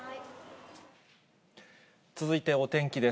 続いてお天気です。